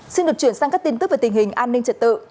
xin được chuyển sang các tin tức về tình hình an ninh trật tự